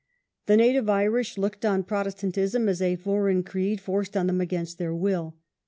The native Irish looked on Protestantism as a foreign creed forced on them against their will.